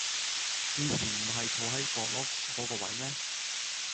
以前唔喺坐喺角落嗰個位咩